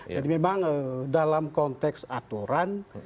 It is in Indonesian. jadi memang dalam konteks aturan